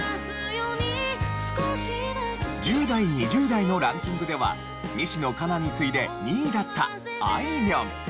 １０代２０代のランキングでは西野カナに次いで２位だったあいみょん。